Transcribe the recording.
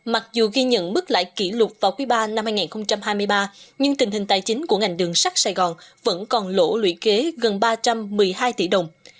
mặc dù ghi nhận mức lãi kỷ lục vào quý ba năm hai nghìn hai mươi ba nhưng tình hình tài chính của ngành đường sắt sài gòn vẫn còn lỗ lũy kế gần ba trăm một mươi hai tỷ đồng